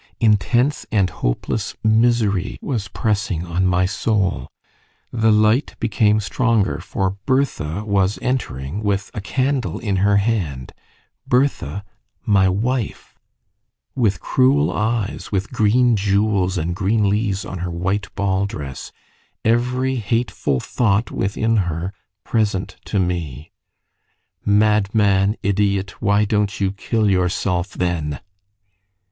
Intense and hopeless misery was pressing on my soul; the light became stronger, for Bertha was entering with a candle in her hand Bertha, my wife with cruel eyes, with green jewels and green leaves on her white ball dress; every hateful thought within her present to me ... "Madman, idiot! why don't you kill yourself, then?"